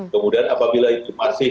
kemudian apabila itu masih